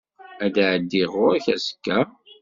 Ad d-εeddiɣ ɣur-k azekka?